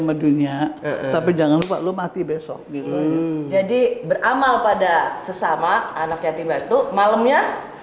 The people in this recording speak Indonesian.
medunya tapi jangan lupa lu mati besok gitu jadi beramal pada sesama anak yatim batu malamnya